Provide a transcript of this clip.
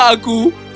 biarkan aku keluar